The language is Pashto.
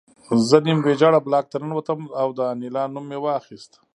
زه نیم ویجاړ بلاک ته ننوتم او د انیلا نوم مې واخیست